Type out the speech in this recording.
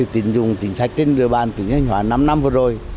tín dụng chính sách trên đường bàn tỉnh hành hòa năm năm vừa rồi